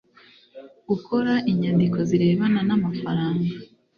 gukora inyandiko zirebana n amafaranga